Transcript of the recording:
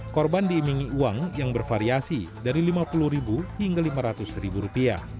korban diimingi uang yang bervariasi dari rp lima puluh hingga rp lima ratus